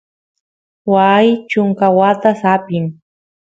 waay chunka watas apin